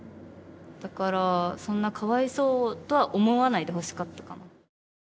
だからそんなかわいそうとは思わないでほしかったかな。